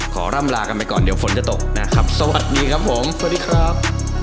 ขอร่ำลากันไปก่อนเดี๋ยวฝนจะตกนะครับสวัสดีครับผมสวัสดีครับ